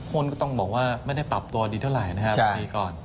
หุ้นก็ต้องบอกว่าไม่ได้ปรับตัวดีเท่าไหร่นะครับดีก่อน